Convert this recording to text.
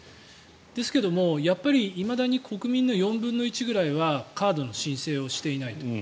ですけども、いまだに国民の４分の１ぐらいはカードの申請をしていないと。